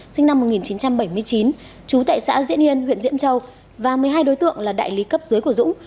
sinh năm một nghìn chín trăm bảy mươi chín trú tại xã diễn yên huyện diễn châu và một mươi hai đối tượng là đại lý cấp dưới của dũng